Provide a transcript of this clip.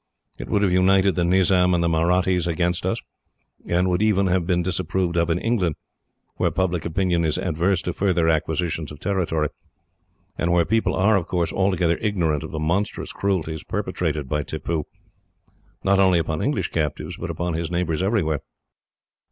It would have united the Nizam and the Mahrattis against us, and would even have been disapproved of in England, where public opinion is adverse to further acquisitions of territory, and where people are, of course, altogether ignorant of the monstrous cruelties perpetrated by Tippoo, not only upon English captives, but upon his neighbours everywhere.